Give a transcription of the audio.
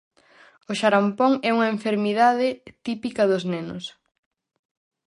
O xarampón é unha enfermidade típica dos nenos.